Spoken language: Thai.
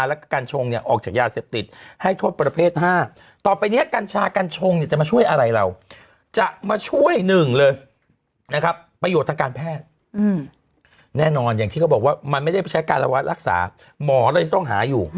แล้วก็กัญชงเนี่ยออกจากยาเสพติดให้โทษประเภท๕ต่อไปนี้กัญชากัญชงเนี่ยจะมาช่วยอะไรเราจะมาช่วยหนึ่งเลยนะครับประโยชน์ทางการแพทย์แน่นอนอย่างที่เขาบอกว่ามันไม่ได้ใช้การระวัดรักษาหมอเลยยังต้องหาอยู่